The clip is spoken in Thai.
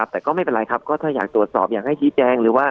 แต่ก็ไม่เป็นไรครับถ้าอยากตรวจสอบอย่างให้ชีแจง